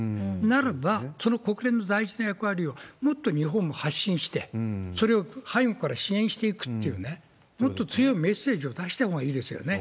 ならば、その国連の大事な役割をもっと日本も発信して、それを背後から支援していくっていうね、もっと強いメッセージを出してもいいですよね。